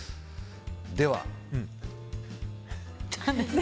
では。